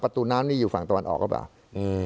ประตูน้ำนี่อยู่ฝั่งตะวันออกรึเปล่าอืม